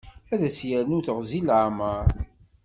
Ad as-yernu teɣzi n leɛmer.